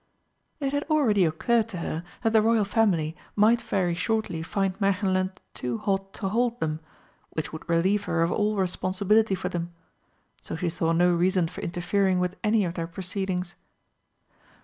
It had already occurred to her that the Royal Family might very shortly find Märchenland too hot to hold them, which would relieve her of all responsibility for them. So she saw no reason for interfering with any of their proceedings.